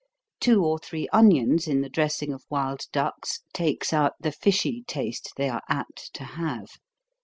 Two or three onions in the dressing of wild ducks, takes out the fishy taste they are apt to have.